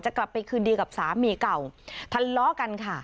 กลับไปคืนดีกับสามีเก่าทะเลาะกันค่ะ